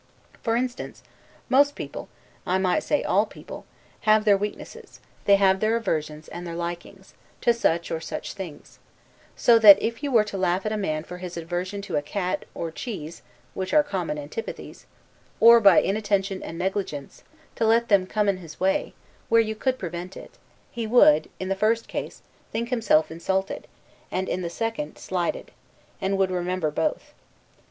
For instance, most people (I might say all people) have their weaknesses; they have their aversions and their likings, to such or such things; so that, if you were to laugh at a man for his aversion to a cat, or cheese (which are common antipathies), or, by inattention and negligence, to let them come in his way, where you could prevent it, he would, in the first case, think himself insulted, and, in the second, slighted, and would remember both.